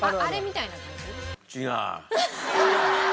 違う。